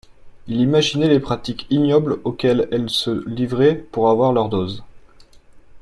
il imaginait les pratiques ignobles auxquelles elles se livraient pour avoir leur dose.